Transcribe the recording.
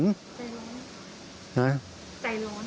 ใจร้อน